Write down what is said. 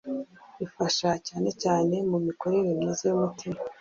Ifasha cyane mu mikorere myiza y’umutima